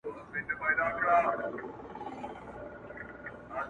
تر دې نو بله ښه غزله کتابي چیري ده؟